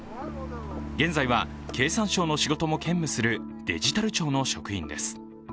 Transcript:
現在は経産省の仕事も兼務するデジタル庁の職員です